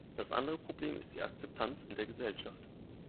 Das andere Problem ist die Akzeptanz in der Gesellschaft.